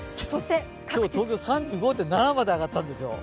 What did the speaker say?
今日東京３５．７まで上がったんですよ。